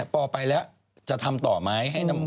ปอไปแล้วจะทำต่อไหม